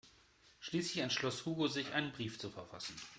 Schließlich entschloss Hugo sich, einen Brief zu verfassen.